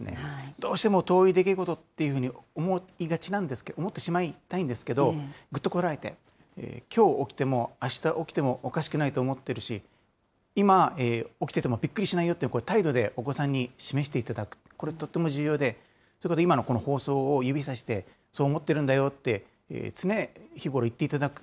どうしても遠い出来事っていうふうに思いがちなんですけど、思ってしまいたいんですけど、ぐっとこらえて、きょう起きてもあした起きてもおかしくないと思ってるし、今、起きててもびっくりしないよって、態度でお子さんに示していただく、これ、とっても重要で、今の放送を指さして、そう思ってるんだよって、常日頃言っていただく。